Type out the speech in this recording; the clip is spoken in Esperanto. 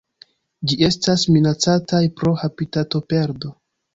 Ĝi estas minacataj pro habitatoperdo.